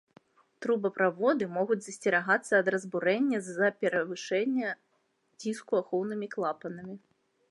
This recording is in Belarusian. Трубаправоды могуць засцерагацца ад разбурэння з-за перавышэння ціску ахоўнымі клапанамі.